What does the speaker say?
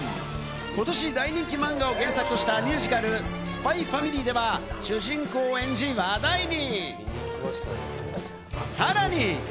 ことし、大人気漫画を原作としたミュージカル『ＳＰＹ×ＦＡＭＩＬＹ』では主人公を演じ、話題に。